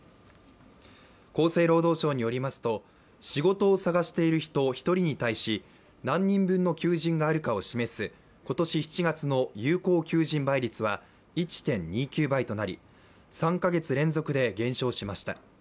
厚生労働省によりますと、仕事を探している人１人に対し何人分の求人があるかを示す今年７月の有効求人倍率は、１．２９倍となり３か月連続で減少しました。